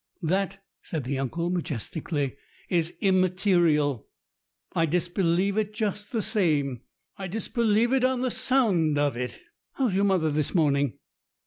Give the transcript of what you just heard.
"That," said the uncle majestically, "is immaterial. J disbelieve it just the same. I disbelieve it on the sound of it. How's your mother this morning?"